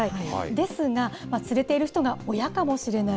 ですが、連れている人が親かもしれない。